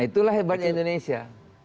itulah hebatnya indonesia